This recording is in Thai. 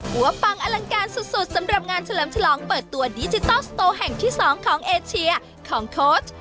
ปังอลังการสุดสำหรับงานเฉลิมฉลองเปิดตัวดิจิทัลสโตแห่งที่๒ของเอเชียของโค้ช